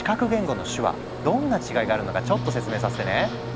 どんな違いがあるのかちょっと説明させてね。